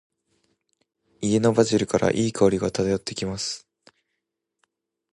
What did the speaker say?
家のバジルから、良い香りが漂ってきます。